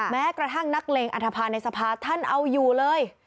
แม้กระทั่งนักเลงอัธภาในสภาท่านเอาอยู่เลย